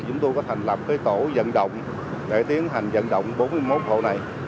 chúng tôi có thành lập cái tổ dẫn động để tiến hành dẫn động bốn mươi một hậu này